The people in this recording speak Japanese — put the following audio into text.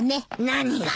何が？